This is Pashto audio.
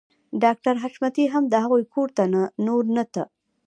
ډاکټر حشمتي هم د هغوی کور ته نور نه ته